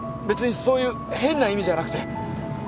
別にそういう変な意味じゃなくて。